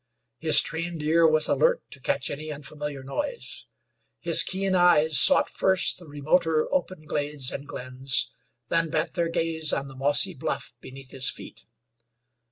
His trained ear was alert to catch any unfamiliar noise; his keen eyes sought first the remoter open glades and glens, then bent their gaze on the mossy bluff beneath his feet.